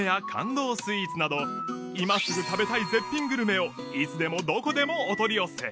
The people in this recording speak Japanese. スイーツなど今すぐ食べたい絶品グルメをいつでもどこでもお取り寄せ